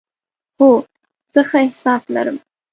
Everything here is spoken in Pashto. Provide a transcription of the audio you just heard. هو، زه ښه احساس لرم